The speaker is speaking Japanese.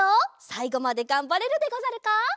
さいごまでがんばれるでござるか？